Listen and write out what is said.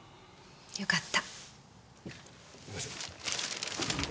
よかった。